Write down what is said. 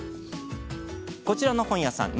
こちらの本屋さん